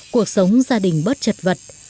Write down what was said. cuộc sống gia đình bớt trật vật